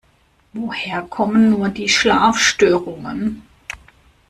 Woher kommen nur die Schlafstörungen?